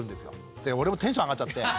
で俺もテンション上がっちゃって。